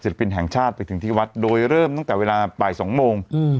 ปินแห่งชาติไปถึงที่วัดโดยเริ่มตั้งแต่เวลาบ่าย๒โมง